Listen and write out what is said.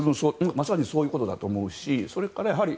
まさにそういうことだと思うし。